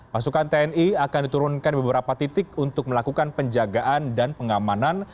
pasukan tni akan diturunkan di beberapa titik untuk melakukan penjagaan dan pengamanan